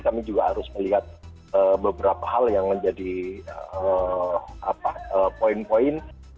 kami juga harus melihat beberapa hal yang menjadi poin poin